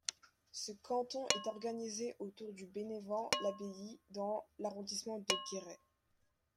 Ce canton est organisé autour de Bénévent-l'Abbaye dans l'arrondissement de Guéret.